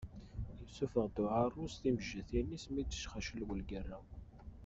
Yessuffeɣ-d uɛarus timejjatin-is mi d-tecxaclew lgerra.